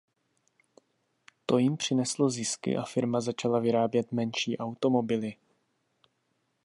To jim přineslo zisky a firma začala vyrábět menší automobily.